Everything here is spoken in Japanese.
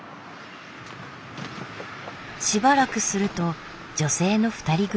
しばらくすると女性の２人組。